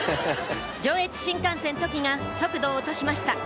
上越新幹線「とき」が速度を落としました